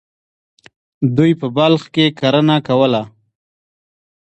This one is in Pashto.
دوی په بلخ کې کرنه کوله.